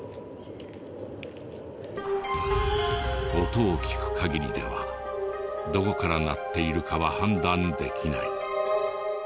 音を聞く限りではどこから鳴っているかは判断できない。